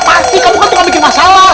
pasti kamu kan tidak bikin masalah